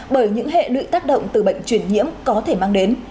bởi những hệ lụy tác động từ bệnh truyền nhiễm có thể mang đến